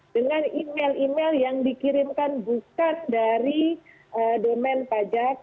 dengan email email yang dikirimkan bukan dari domain pajak